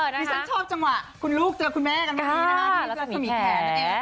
ดิฉันชอบจังหวะคุณลูกเจอคุณแม่กันมากดีนะครับ